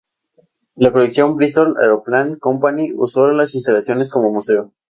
La colección Bristol Aeroplane Company usó las instalaciones como museo.